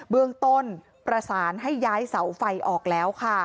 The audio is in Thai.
เบื้องต้นประสานให้ย้ายเสาไฟออกแล้วค่ะ